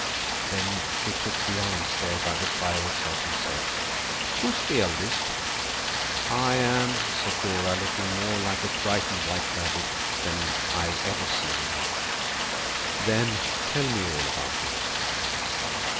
Then she took the arm chair by the fire herself, and said, "Who's the eldest?" "I am," said Dora, looking more like a frightened white rabbit than I've ever seen her. "Then tell me all about it."